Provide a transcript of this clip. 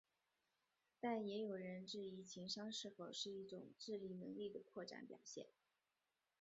但也有人质疑情商是否是一种智力能力的扩展表现。